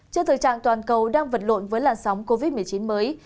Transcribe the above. trước thời trạng toàn cầu đang vật lộn với làn sóng covid một mươi chín mới